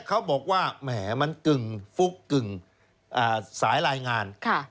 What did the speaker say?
เขาบอกว่าแหมมันกึ่งฟุกกึ่งสายรายงาน